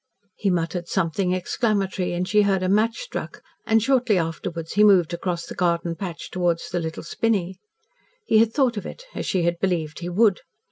He muttered something exclamatory, and she heard a match struck, and shortly afterwards he moved across the garden patch towards the little spinney. He had thought of it, as she had believed he would.